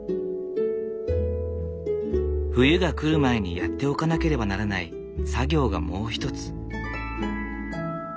冬が来る前にやっておかなければならない作業がもう一つ。